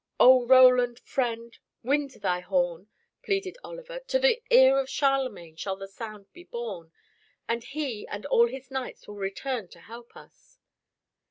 "Oh Roland, friend, wind thy horn," pleaded Oliver. "To the ear of Charlemagne shall the sound be borne, and he and all his knights will return to help us."